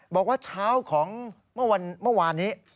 บอกว่าเช้าของเมื่อวานนี้